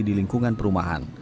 di lingkungan perumahan